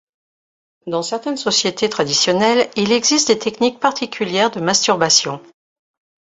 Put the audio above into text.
Dans certaines sociétés traditionnelles, il existe des techniques particulières de masturbation.